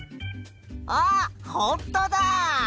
あっほんとだ！